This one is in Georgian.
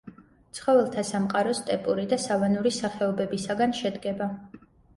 ცხოველთა სამყარო სტეპური და სავანური სახეობებისაგან შედგება.